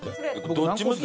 どっちだ！